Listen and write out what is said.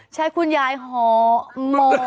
ใช่คุณยายหอม